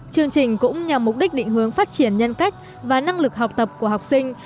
chương trình cũng nhằm mục đích định hướng phát triển nhân cách và năng lực học tập của học sinh